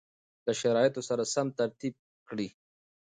له شرایطو سره سم ترتیب کړي